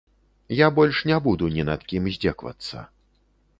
Я больш не буду ні над кім здзекавацца.